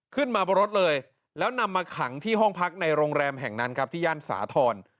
ขึ้นมาบนรถเลยแล้วนำมาขังที่ห้องพักในโรงแรมแห่งนั้นครับที่ย่านสาธรณ์